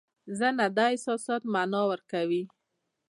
ذهن دا احساسات مانا کوي.